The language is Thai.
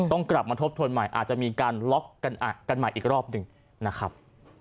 ต้องกลับมาทบทวนใหม่อาจจะมีการล็อกกันใหม่อีกรอบหนึ่งนะครับ